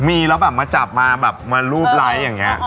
มีแล้วแบบมาจับมาแบบมารูปไลค์อย่างนี้